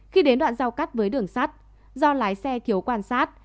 khi đến đoạn giao cắt với đường sắt do lái xe thiếu quan sát